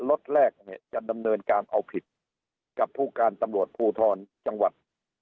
ล็อตแรกเนี่ยจะดำเนินการเอาผิดกับผู้การตำรวจภูทรจังหวัด